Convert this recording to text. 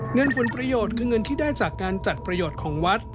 เงินผลประโยชน์คือเงินที่ได้จากการจัดประโยชน์ของวัด